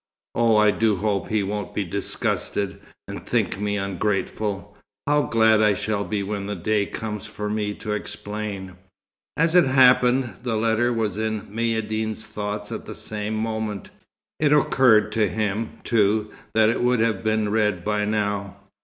"Oh, I do hope he won't be disgusted, and think me ungrateful. How glad I shall be when the day comes for me to explain." As it happened, the letter was in Maïeddine's thoughts at the same moment. It occurred to him, too, that it would have been read by now.